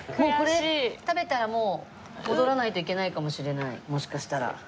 これ食べたらもう戻らないといけないかもしれないもしかしたら。